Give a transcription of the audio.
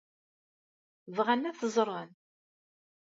Bɣan ad t-ẓren?